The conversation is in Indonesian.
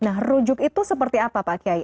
nah rujuk itu seperti apa pak kiai